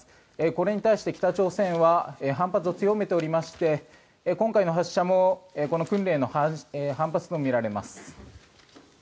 これに対して、北朝鮮は反発を強めておりまして今回の発射もこの訓練への反発とみられます。